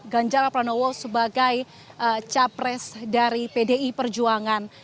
ganjar pranowo sebagai capres dari pdi perjuangan